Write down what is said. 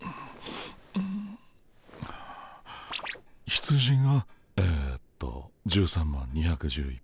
羊がえっと１３万２１１